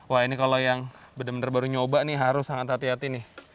wah ini kalau yang benar benar baru nyoba nih harus sangat hati hati nih